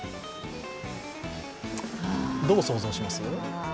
どう想像します？